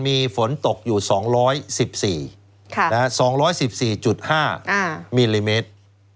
มีฝนตกอยู่๒๑๔๒๑๔๕มิลลิเมตร